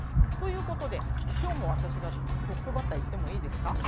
ということで今日も私がトップバッターいってもいいですか？